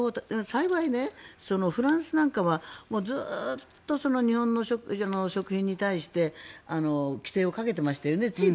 幸い、フランスなんかはずっとその日本の食品に対して規制をかけていましたよねつい